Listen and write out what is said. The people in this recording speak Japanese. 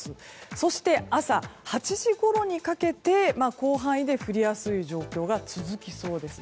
そして朝８時ごろにかけて広範囲で降りやすい状況が続きそうです。